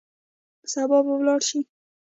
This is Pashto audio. سبا به ولاړ سئ.